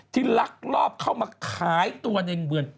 ลักลอบเข้ามาขายตัวในเมือง